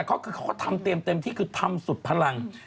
แต่เขาคือเขาทำเต็มที่คือทำสุดพลัง